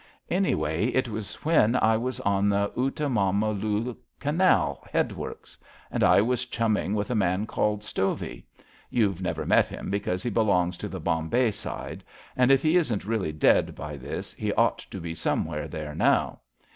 Anyhow, it was when I was on the Utamamula Canal Headworks, and I was chumming with a man called Stovey. You've never met him because he belongs to the Bombay side, and if he isn't really dead by this he ought to be somewhere there now.